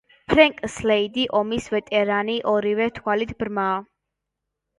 ფრენკ სლეიდი, ომის ვეტერანი, ორივე თვალით ბრმაა.